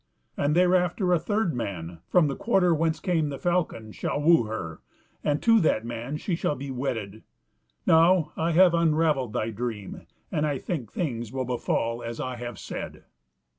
And thereafter a third man, from the quarter whence came the falcon, shall woo her, and to that man shall she be wedded. Now, I have unravelled thy dream, and I think things will befall as I have said."